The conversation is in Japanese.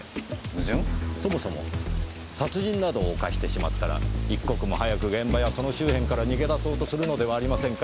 そもそも殺人などを犯してしまったら一刻も早く現場やその周辺から逃げ出そうとするのではありませんか？